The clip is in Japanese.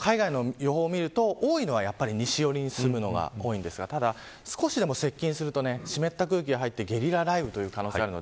海外の予報を見ると多いのは西寄りに進むものが多いですが少しでも接近すると湿った空気でゲリラ雷雨の可能性があります。